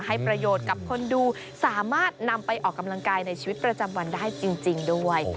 ให้ประโยชน์กับคนดูสามารถนำไปออกกำลังกายในชีวิตประจำวันได้จริงด้วย